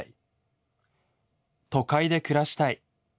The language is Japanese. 「都会で暮らしたい。